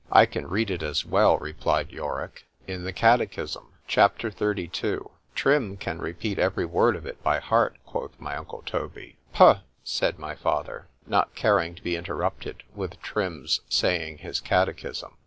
—I can read it as well, replied Yorick, in the Catechism. C H A P. XXXII TRIM can repeat every word of it by heart, quoth my uncle Toby.—Pugh! said my father, not caring to be interrupted with Trim's saying his Catechism.